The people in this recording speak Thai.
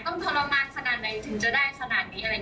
ต้องทอรมนาคทนาถึงจะได้ขนานี้